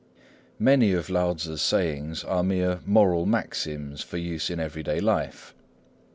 Many of Lao Tzŭ's sayings are mere moral maxims for use in everyday life.